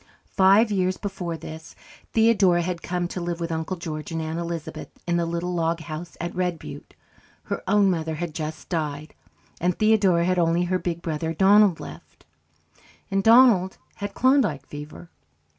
Five years before this, Theodora had come to live with Uncle George and Aunt Elizabeth in the little log house at Red Butte. Her own mother had just died, and Theodora had only her big brother Donald left, and Donald had Klondike fever.